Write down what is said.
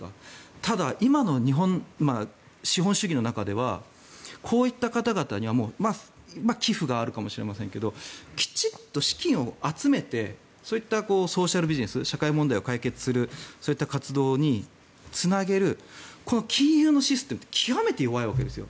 ただ、今の資本主義の中ではこういった方々には寄付があるかもしれませんけどきちっと資金を集めてそういったソーシャルビジネス社会問題を解決するという活動につなげる金融のシステムって極めて弱いわけですよ。